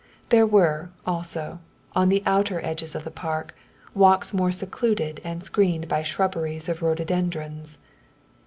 There were, also, on the outer edges of the park, walks more secluded and screened by shrubberies of rhododendrons.